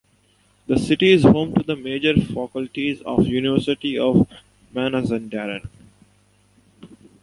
The city is home to the major faculties of the University of Mazandaran.